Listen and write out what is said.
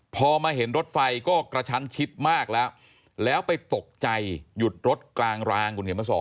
พอมาเห็นรถไฟก็กระชั้นชิดมากแล้วแล้วไปตกใจหยุดรถกลางรางคุณเขียนมาสอน